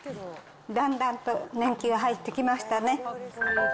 だんだんと年季が入ってきましたね。